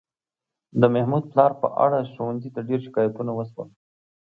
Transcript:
د محمود پلار په اړه ښوونځي ته ډېر شکایتونه وشول.